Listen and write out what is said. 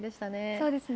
そうですね。